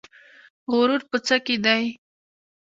غرور په څه کې دی؟